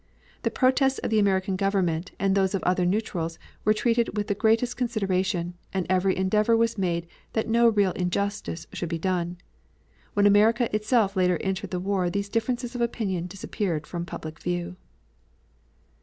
The protests of the American Government and those of other neutrals were treated with the greatest consideration, and every endeavor was made that no real injustice should be done. When America itself later entered the war these differences of opinion disappeared from public view.